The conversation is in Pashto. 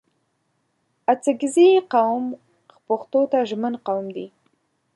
اڅګزي قوم پښتو ته ژمن قوم دی